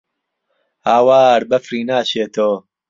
هاوار بەفری ناچێتۆ